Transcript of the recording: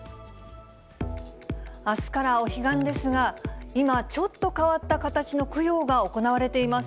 あすからお彼岸ですが、今、ちょっと変わった形の供養が行われています。